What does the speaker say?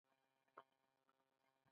د بېلګې په توګه خپلواکي يا خودمختاري.